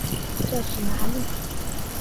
这是哪里？